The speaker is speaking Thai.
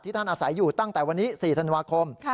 ท่านอาศัยอยู่ตั้งแต่วันนี้๔ธันวาคม